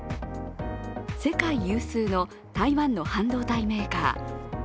世界有数の台湾の半導体メーカー